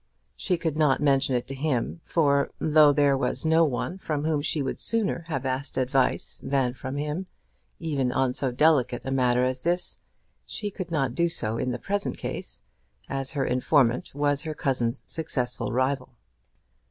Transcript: She could not mention it to him; for, though there was no one from whom she would sooner have asked advice than from him, even on so delicate a matter as this, she could not do so in the present case, as her informant was her cousin's successful rival.